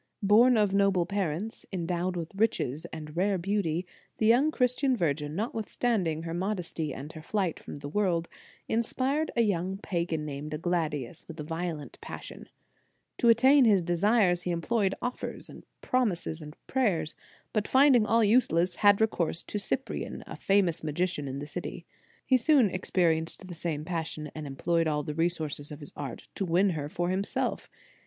Born of noble parents, endowed * S. Greg. Sacrament. f Arnob. in ps. 143. 19 21 8 The Sign of the Cross with riches and rare beauty, the young Chris tian virgin, notwithstanding her modesty and her flight from the world, inspired a young pagan named Agladius with a violent passion. To attain his desires, he employed offers, promises and prayers, but finding all useless, had recourse to Cyprian, a famous magician in the city. He soon experienced the same passion, and employed all the resources of his art to win her for himself.